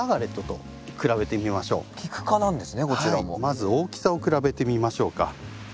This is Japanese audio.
まず大きさを比べてみましょうか。